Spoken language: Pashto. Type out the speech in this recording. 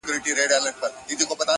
چي نیکونو به ویله بس همدغه انقلاب دی.!